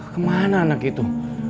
kemana anak itu